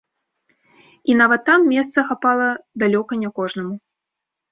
І нават там месца хапала далёка не кожнаму.